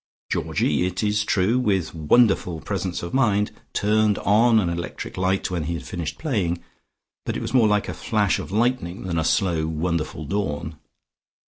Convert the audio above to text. Georgie, it is true, with wonderful presence of mind, turned on an electric light when he had finished playing, but it was more like a flash of lightning than a slow, wonderful dawn.